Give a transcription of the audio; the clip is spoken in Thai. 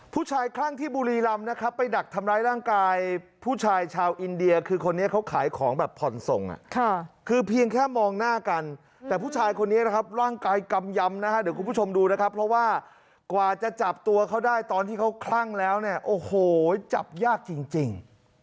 คลั่งที่บุรีรำนะครับไปดักทำร้ายร่างกายผู้ชายชาวอินเดียคือคนนี้เขาขายของแบบผ่อนส่งคือเพียงแค่มองหน้ากันแต่ผู้ชายคนนี้นะครับร่างกายกำยำนะฮะเดี๋ยวคุณผู้ชมดูนะครับเพราะว่ากว่าจะจับตัวเขาได้ตอนที่เขาคลั่งแล้วเนี่ยโอ้โหจับยากจริง